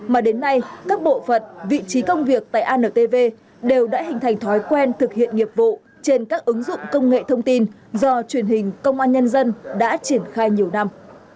mà đến nay các bộ phận vị trí công việc tại antv đều đã hình thành thói quen thực hiện nghiệp vụ trên các ứng dụng công nghệ thông tin do truyền hình công an nhân dân đã triển khai nhiều năm